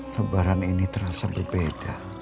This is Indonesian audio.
lebaran ini terasa berbeda